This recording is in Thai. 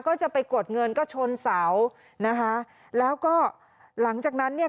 ก็จะไปกดเงินก็ชนเสานะคะแล้วก็หลังจากนั้นเนี่ย